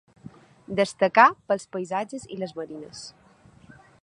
Destacà pels paisatges i les marines.